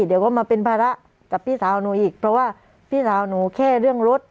เดี๋ยวก็มาเป็นภาระกับพี่สาวหนูอีกเพราะว่าพี่สาวหนูแค่เรื่องรถ